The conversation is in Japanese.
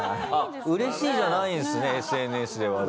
「嬉しい」じゃないんですねＳＮＳで話題。